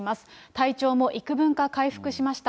体調もいくぶんか回復しました。